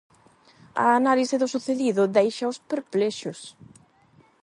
A análise do sucedido déixaos perplexos.